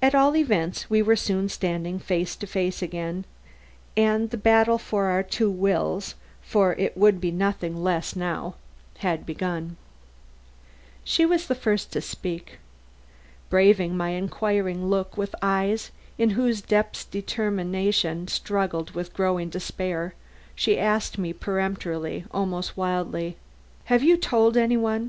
At all events we were soon standing again face to face, and the battle of our two wills for it would be nothing less now had begun. She was the first to speak. Braving my inquiring look with eyes in whose depths determination struggled with growing despair, she asked me peremptorily, almost wildly: "Have you told any one?